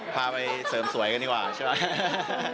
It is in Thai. พาไปเสริมสวยกันดีกว่าใช่ไหม